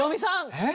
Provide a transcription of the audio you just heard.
えっ？